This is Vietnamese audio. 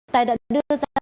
tài đã đưa ra